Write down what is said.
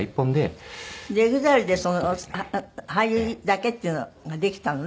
じゃあＥＸＩＬＥで俳優だけっていうのができたのね。